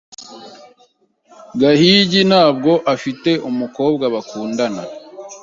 Gahigi ntabwo afite umukobwa bakundana.